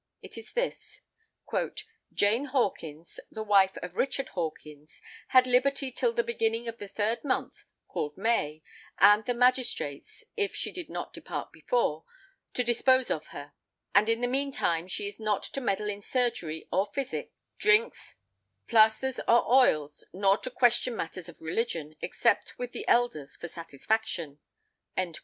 It is this: "Jane Hawkins, the wife of Richard Hawkins, had liberty till the beginning of the third month, called May, and the magistrates (if she did not depart before) to dispose of her: and in the meantime she is not to meddle in surgery or phisick, drinks, plaisters or oyles, nor to question matters of religion, except with the elders for satisfaction ."